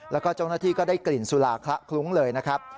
แล้วก็เจ้าหน้าที่ก็ได้กลิ่นสุราคละคลุ้งเลยนะครับ